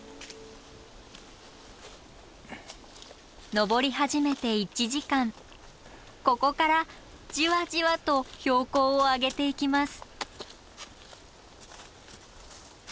登り始めて１時間ここからじわじわと標高を上げていきます。